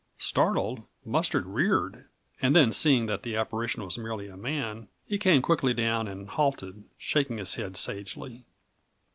Startled, Mustard reared, and then seeing that the apparition was merely a man, he came quietly down and halted, shaking his head sagely.